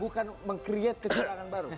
bukan meng create kecurangan baru